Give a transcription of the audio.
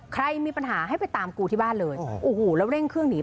ใครมีปัญหาให้ไปตามกูที่บ้านเลยโอ้โหแล้วเร่งเครื่องหนี